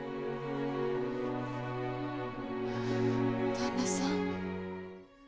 旦那さん？